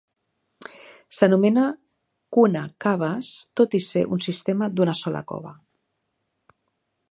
S'anomena Kuna Caves tot i ser un sistema d'una sola cova.